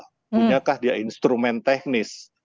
punyakah dia instrumen teknis